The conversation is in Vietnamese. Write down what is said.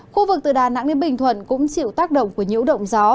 khu vực từ đà nẵng đến bình thuận cũng chịu tác động của nhiễu động gió